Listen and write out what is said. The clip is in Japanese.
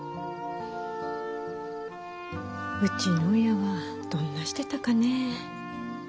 うちの親はどんなしてたかねえ。